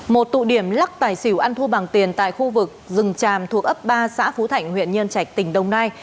một tụ điểm lắc tài xỉu ăn thua bằng tiền tại khu vực rừng tràm thuộc ấp ba xã phú thạnh huyện nhân trạch tỉnh đồng nai